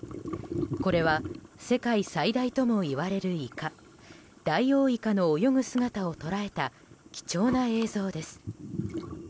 これは世界最大ともいわれるイカダイオウイカの泳ぐ姿を捉えた貴重な映像です。